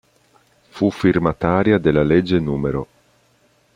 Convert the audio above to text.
Fu firmataria della legge n.